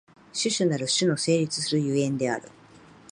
種々なる種の成立する所以である。